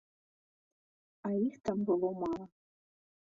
А іх там было мала.